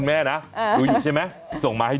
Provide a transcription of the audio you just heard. ไม่ใช่